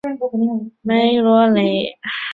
梅罗内。